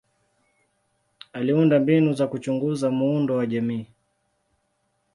Aliunda mbinu za kuchunguza muundo wa jamii.